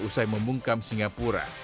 usai membungkam singapura